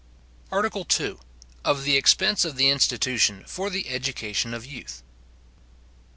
ART. II.—Of the Expense of the Institution for the Education of Youth.